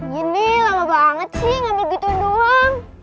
gini lama banget sih ngambil gitu doang